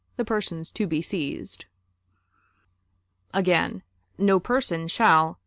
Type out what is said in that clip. . the persons to be seized." Again: "No person shall